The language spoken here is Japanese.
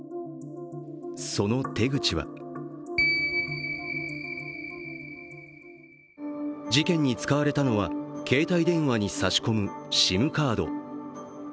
その手口は事件に使われたのは携帯電話に差し込むＳＩＭカード。